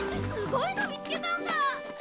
すごいの見つけたんだ！